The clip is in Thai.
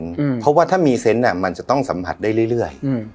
อืมเพราะว่าถ้ามีเซ็นต์อ่ะมันจะต้องสัมผัสได้เรื่อยเรื่อยอืม